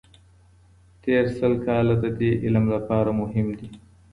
تېر سل کاله د دې علم لپاره مهم دي.